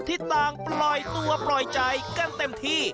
ที่ต่างปล่อยตัวปล่อยใจกันเต็มที่